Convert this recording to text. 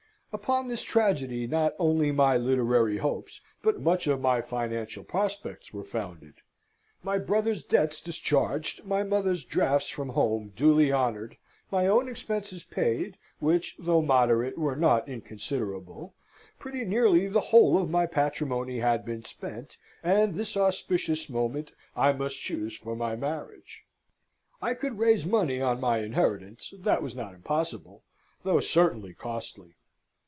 Upon this tragedy not only my literary hopes, but much of my financial prospects were founded. My brother's debts discharged, my mother's drafts from home duly honoured, my own expenses paid, which, though moderate, were not inconsiderable, pretty nearly the whole of my patrimony had been spent, and this auspicious moment I must choose for my marriage! I could raise money on my inheritance: that was not impossible, though certainly costly.